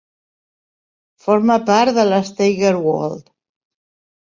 Forma part de la Steigerwald.